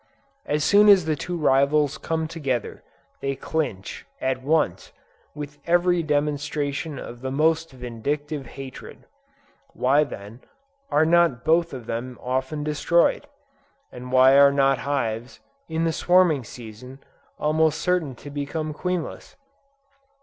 As soon as the two rivals come together, they clinch, at once, with every demonstration of the most vindictive hatred. Why then, are not both of them often destroyed? and why are not hives, in the swarming season, almost certain to become queenless?